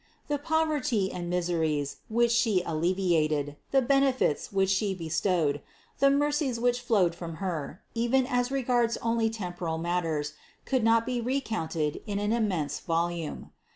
The poverty and miseries which She alleviated, the benefits which She bestowed, the mercies which flowed from Her, even as regards only temporal matters, could not be recounted in an immense volume.